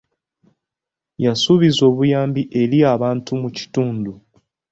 Yasuubizza obuyambi eri abantu mu kitundu.